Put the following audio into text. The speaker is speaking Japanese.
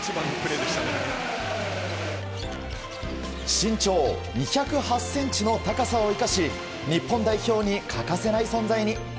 身長２０８ｃｍの高さを生かし日本代表に欠かせない存在に。